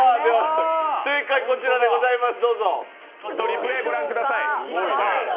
正解、こちらでございます。